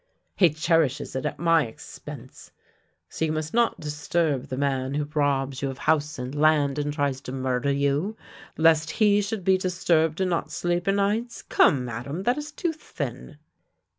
" He cherishes it at my expense. So, you must not disturb the man who robs you of house and land and tries to murder you, lest he should be disturbed and not sleep o' nights. Come, Madame, that is too thin